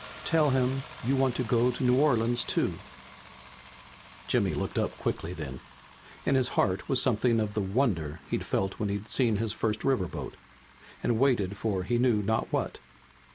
Tell him you want to go to New Orleans, too!" Jimmy looked up quickly then. In his heart was something of the wonder he'd felt when he'd seen his first riverboat and waited for he knew not what.